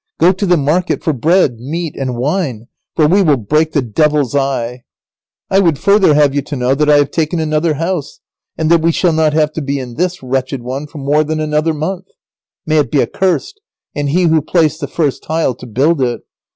Go to the market for bread, meat, and wine, for we will break the Devil's eye. I would further have you to know that I have taken another house, and that we shall not have to be in this wretched one for more than another month. May it be accursed, and he who placed the first tile to build it!